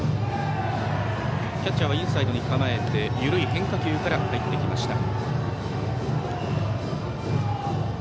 キャッチャーはインサイドに構えて緩い変化球から入ってきました。